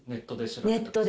ネットで？